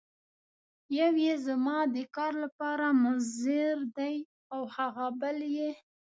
یو یې زما د کار لپاره مضر دی او هغه بل یې.